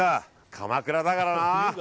鎌倉だからな。